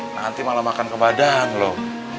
nanti malah makan ke badan loh